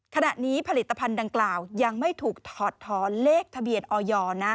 ขณะนี้ผลิตภัณฑ์ดังกล่าวยังไม่ถูกถอดถอนเลขทะเบียนออยนะ